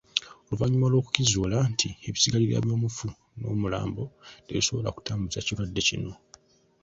Oluvannyuma lw'okukizuula nti ebisigalira by'omufu n'omulambo tebisobola kutambuza kirwadde kino.